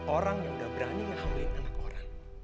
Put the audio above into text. orang yang udah berani ngambilin anak orang